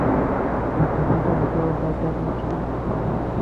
দুটো ব্যাটারি, ঠিক?